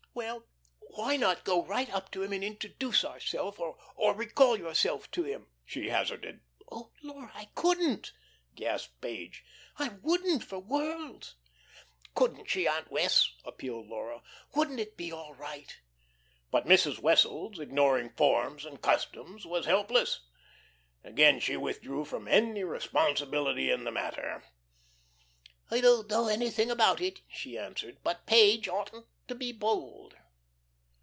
"Well, why not go right up to him and introduce ourself, or recall yourself to him?" she hazarded. "Oh, Laura, I couldn't," gasped Page. "I wouldn't for worlds." "Couldn't she, Aunt Wess'?" appealed Laura. "Wouldn't it be all right?" But Mrs. Wessels, ignoring forms and customs, was helpless. Again she withdrew from any responsibility in the matter. "I don't know anything about it," she answered. "But Page oughtn't to be bold."